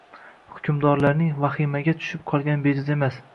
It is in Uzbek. Hukmdorlarning vahimaga tushib qolgani bejiz emas